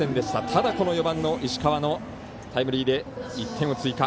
ただ、４番の石川のタイムリーで１点を追加。